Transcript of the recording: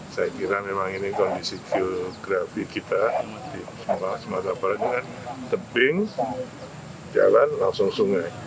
saya kira memang ini kondisi geografi kita di sumatera barat ini kan tebing jalan langsung sungai